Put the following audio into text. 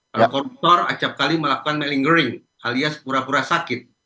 kalau koruptor acapkali melakukan melingering alias pura pura sakit